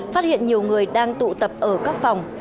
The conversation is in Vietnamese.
phát hiện nhiều người đang tụ tập ở các phòng